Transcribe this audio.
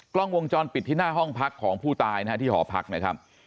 กล้องวงจรปิดที่หน้าห้องพักของผู้ตายนะฮะที่หอพักนะครับ